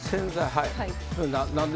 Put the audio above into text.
はい。